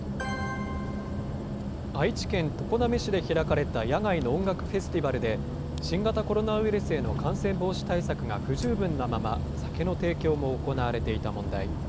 愛知県常滑市で開かれた野外の音楽フェスティバルで、新型コロナウイルスへの感染防止対策が不十分なまま、酒の提供も行われていた問題。